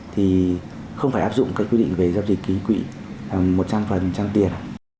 thì không phải áp dụng các quy định về giao dịch ký quỹ một trăm linh tiền